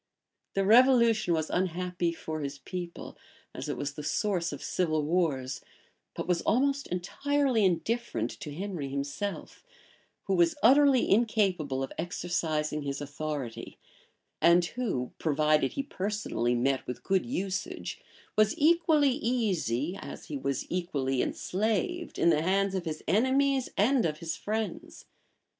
The revolution was unhappy for his people, as it was the source of civil wars; but was almost entirely indifferent to Henry himself, who was utterly incapable of exercising his authority, and who, provided he personally met with good usage, was equally easy, as he was equally enslaved, in the hands of his enemies and of his friends.